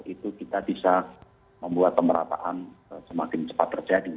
itu kita bisa membuat pemerataan semakin cepat terjadi